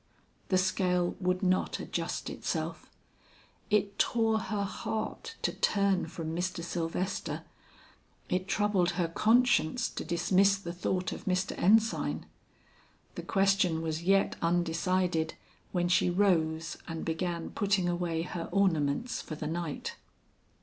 The scale would not adjust itself. It tore her heart to turn from Mr. Sylvester, it troubled her conscience to dismiss the thought of Mr. Ensign. The question was yet undecided when she rose and began putting away her ornaments for the night.